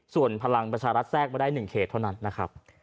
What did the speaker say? ส่วนพลังประชารัฐแทรกมาได้๑เขตเท่านั้นนะครับ